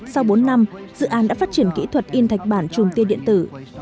sau bốn năm dự án đã phát triển kỹ thuật in thạch bản chùm tiên điện tử